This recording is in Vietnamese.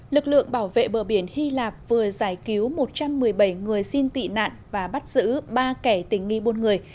lực lượng bảo vệ bờ biển hy lạp vừa giải cứu một trăm một mươi bảy người xin tị nạn và bắt giữ ba kẻ tình nghi buôn người